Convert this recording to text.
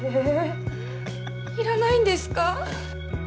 ええいらないんですか？